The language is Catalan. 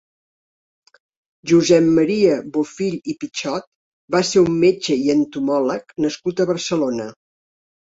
Josep Maria Bofill i Pichot va ser un metge i entomòleg nascut a Barcelona.